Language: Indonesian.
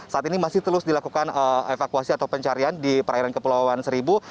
saat ini masih terus dilakukan evakuasi atau pencarian di perairan kepulauan seribu